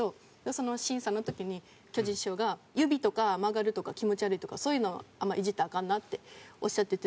その審査の時に巨人師匠が「指とか曲がるとか気持ち悪いとかそういうのはあんまイジったらアカンな」っておっしゃってて。